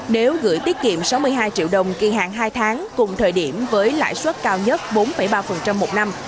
nếu gửi tiết kiệm sáu mươi hai triệu đồng kỳ hạn hai tháng cùng thời điểm với lãi suất cao nhất bốn ba một năm